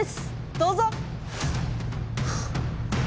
どうぞ！